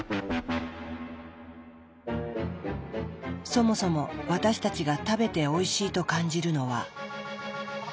そもそも私たちが食べておいしいと感じるのは。